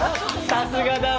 さすがよ。